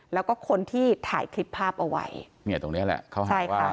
แล้วก็คนที่ถ่ายคลิปภาพเอาไว้เนี่ยตรงเนี้ยแหละเขาให้ใช่ค่ะ